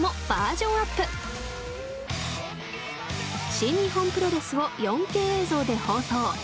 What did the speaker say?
新日本プロレスを４Ｋ映像で放送。